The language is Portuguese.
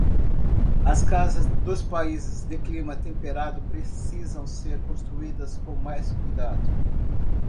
As casas dos países de clima temperado precisam ser construídas com mais cuidado